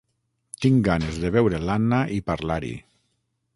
Tinc ganes de veure l'Anna i parlar-hi.